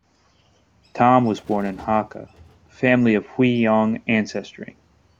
Tam was born in a Hakka family of Huiyang ancestry.